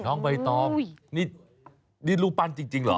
น้องใบตองนี่รูปปั้นจริงเหรอ